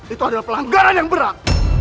itu adalah pelanggaran yang berat